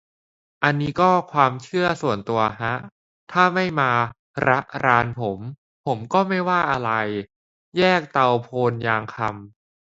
อันนี้ก็ความเชื่อส่วนตัวฮะ ถ้าไม่มาระรานผม ผมก็ไม่ว่าอะไร แยกเตาโพนยางคำ